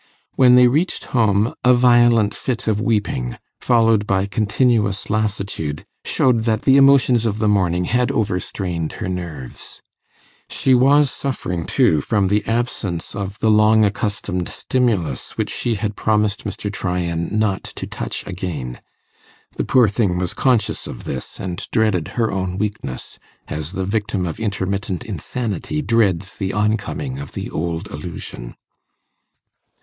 When they reached home, a violent fit of weeping, followed by continuous lassitude, showed that the emotions of the morning had overstrained her nerves. She was suffering, too, from the absence of the long accustomed stimulus which she had promised Mr. Tryan not to touch again. The poor thing was conscious of this, and dreaded her own weakness, as the victim of intermittent insanity dreads the oncoming of the old illusion.